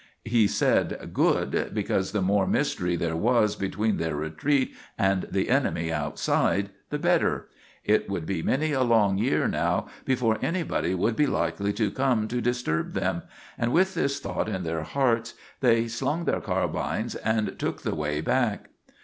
He said "Good!" because the more mystery there was between their retreat and the enemy outside, the better. It would be many a long year now before anybody would be likely to come to disturb them; and with this thought in their hearts, they slung their carbines and took the way back.